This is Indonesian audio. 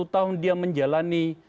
sepuluh tahun dia menjalani